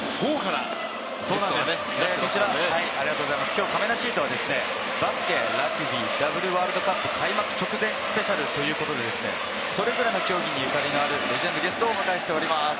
今日かめなシートは、バスケ・ラグビーのダブルワールドカップ開幕直前スペシャルということで、それぞれの競技にゆかりのあるレジェンドゲストをお迎えしております。